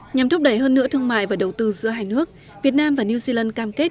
nhằm thúc đẩy hơn nữa thương mại và đầu tư giữa hai nước việt nam và new zealand cam kết